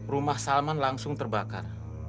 rumah salman langsung terbakar